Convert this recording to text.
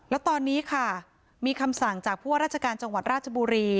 แล้วตอนนี้ค่ะมีคำสั่งจากผู้ว่าราชการจังหวัดราชบุรี